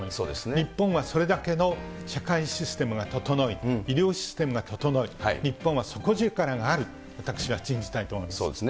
日本はそれだけの社会システムが整い、医療システムが整い、日本は底力がある、私は信じたいそうですね。